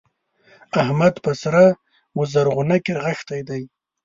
احمد په سره و زرغونه کې رغښتی دی.